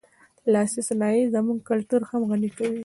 لاسي صنایع زموږ کلتور هم غني کوي.